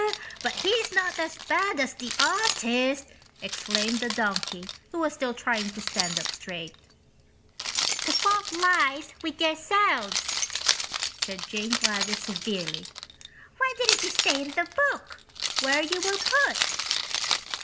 "But he's not as bad as the artist," exclaimed the donkey, who was still trying to stand up straight. "The fault lies with yourselves," said Jane Gladys, severely. "Why didn't you stay in the book, where you were put?"